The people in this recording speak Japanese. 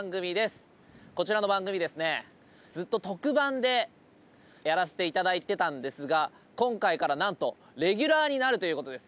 こちらの番組ですねずっと特番でやらせて頂いてたんですが今回からなんとレギュラーになるということです。